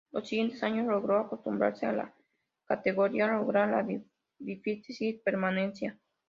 Los siguientes años logró acostumbrarse a la categoría, lograr la difícil permanencia.